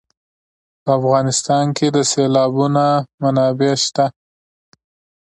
په افغانستان کې د سیلابونه منابع شته.